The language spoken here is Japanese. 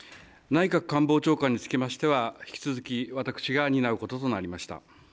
内閣官房長官につきましては、引き続き私が担うこととなりました。